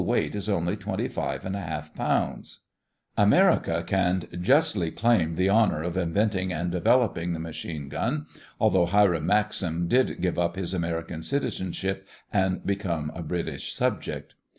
[Illustration: Lewis Machine guns in action at the front] America can justly claim the honor of inventing and developing the machine gun, although Hiram Maxim did give up his American citizenship and become a British subject.